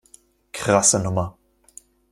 Krasse Nummer.